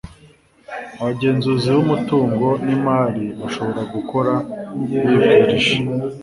abagenzuzi b'umutungo n'imari bashobora gukora bibwirije